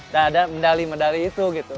dan ada medali medali itu gitu